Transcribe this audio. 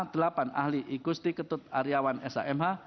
delapan ahli igusti ketut aryawan shmh